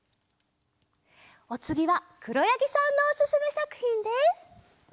おつぎはくろやぎさんのおすすめさくひんです。